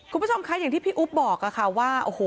คุณผู้ชมคะอย่างที่พี่อุ๊ปบอกว่า